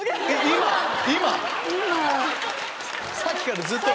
さっきからずっと。